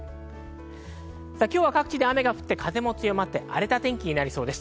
各地で雨が降って、風も強まって、荒れた天気なりそうです。